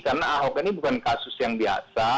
karena ahok ini bukan kasus yang biasa